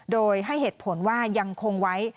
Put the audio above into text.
โดยให้เหตุผลว่ายังคงไว้